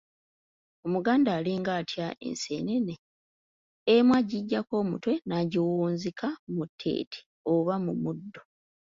Omuganda alinga atya enseenene? emu agiggyako omutwe n’agiwunzika mu tteete oba mu muddo.